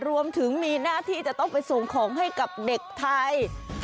รวมถึงมีหน้าที่จะต้องไปส่งของให้กับเด็กไทย